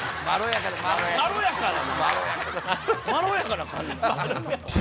まろやかな感じ。